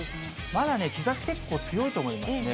まだね、日ざし結構強いと思いますね。